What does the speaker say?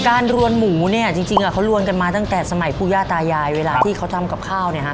รวนหมูเนี่ยจริงเขารวนกันมาตั้งแต่สมัยผู้ย่าตายายเวลาที่เขาทำกับข้าวเนี่ยฮะ